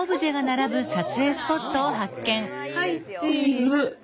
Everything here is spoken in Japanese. はいチーズ。